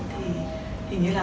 thì hình như là